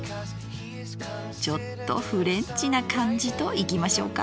ちょっとフレンチな感じといきましょうか。